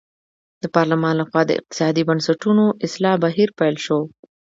د پارلمان له خوا د اقتصادي بنسټونو اصلاح بهیر پیل شو.